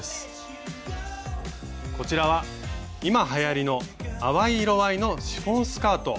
こちらは今はやりの淡い色合いのシフォンスカート。